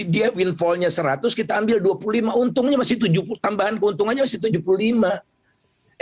dia windfall nya seratus kita ambil dua puluh lima tambahan keuntungannya masih tujuh puluh lima